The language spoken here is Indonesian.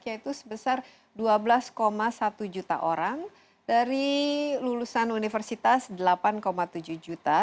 yaitu sebesar dua belas satu juta orang dari lulusan universitas delapan tujuh juta